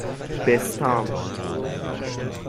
بِستام